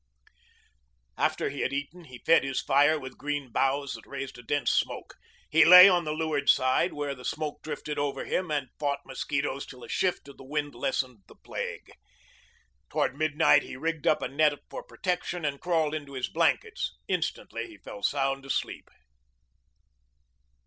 After he had eaten he fed his fire with green boughs that raised a dense smoke. He lay on the leeward side where the smoke drifted over him and fought mosquitoes till a shift of the wind lessened the plague. Toward midnight he rigged up a net for protection and crawled into his blankets. Instantly he fell sound asleep.